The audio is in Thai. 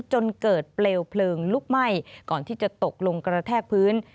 จนเกิดเปลวเพลิงลุกไหม้ก่อนที่จะตกลงกระแทกพื้น